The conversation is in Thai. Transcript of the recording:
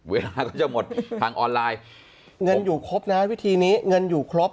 เวลาก็จะหมดทางออนไลน์เงินอยู่ครบนะฮะวิธีนี้เงินอยู่ครบ